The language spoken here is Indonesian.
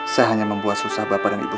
saya hanya membuat susah bapak dan ibu